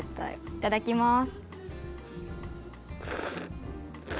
いただきます。